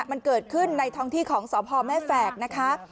มันเกิดขึ้นในท้องที่ของสพแม่แฝกนะคะ